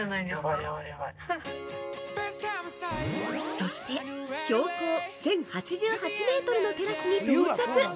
◆そして標高１０８８メートルのテラスに到着。